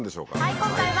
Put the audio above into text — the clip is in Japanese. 今回は。